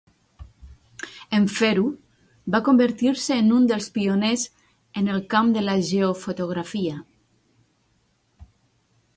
En fer-ho, va convertir-se en un dels pioners en el camp de la geofotografia.